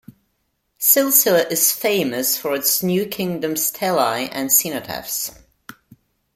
Silsila is famous for its New Kingdom stelai and cenotaphs.